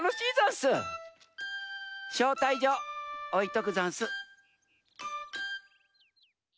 しょうたいじょうおいとくざんす。